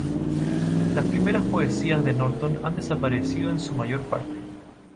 Las primeras poesías de Norton han desaparecido en su mayor parte.